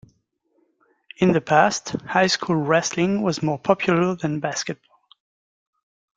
In the past, high school wrestling was more popular than basketball.